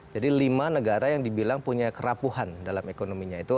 jadi lima negara yang dibilang punya kerapuhan dalam ekonominya itu